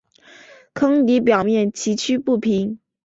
坑底表面崎岖不平。